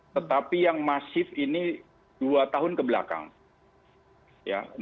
tetapi yang masif ini dua tahun kebelakang